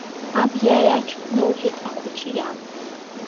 Аб иааиаҽԥнылҳәеит ахәыҷы иан.